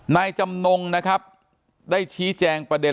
นายจำนงนะครับได้ชี้แจงประเด็น